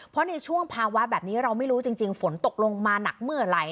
เพราะในช่วงภาวะแบบนี้เราไม่รู้จริงฝนตกลงมาหนักเมื่อไหร่